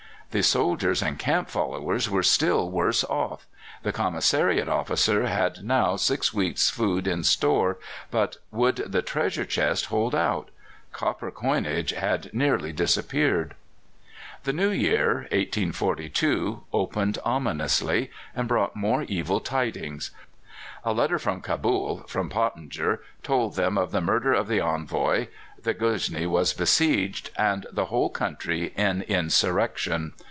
The soldiers and camp followers were still worse off. The commissariat officer had now six weeks' food in store, but would the treasure chest hold out? Copper coinage had nearly disappeared. The New Year, 1842, opened ominously, and brought more evil tidings. A letter from Cabul, from Pottinger, told them of the murder of the Envoy, that Ghusnee was besieged, and the whole country in insurrection.